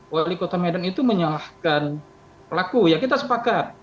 wali kota medan itu menyalahkan pelaku ya kita sepakat